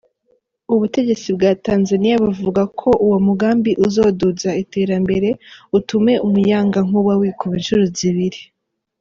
Ubutegetsi bwa Tanzaniya buvuga ko uwo mugambi uzoduza iterambere, utume umuyagankuba wikuba incuro zibiri.